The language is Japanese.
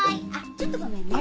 ちょっとごめんね。